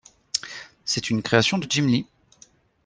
C’est une création de Jim Lee.